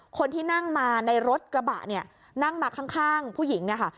คนที่นั่งมาในรถกระบะเนี่ยนั่งมาข้างผู้หญิงเนี่ยค่ะ